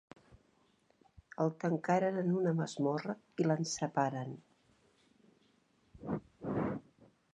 El tancaren en una masmorra i l'enceparen.